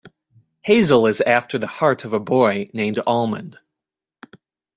Hazel is after the heart of a boy named Almond.